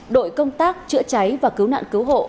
đội công tác chữa cháy và cứu nạn cứu hộ